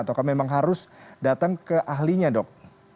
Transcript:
atau memang harus datang ke ahlinya dok